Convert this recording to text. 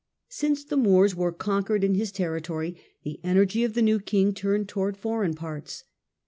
Since the Moors were conquered in his territory, the energy of the new King turned towards foreign parts.